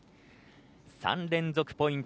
３連続ポイント